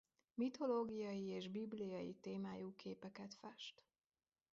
Mitológiai és bibliai témájú képeket fest.